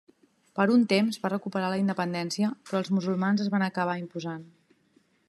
Per un temps va recuperar la independència però els musulmans es van acabar imposant.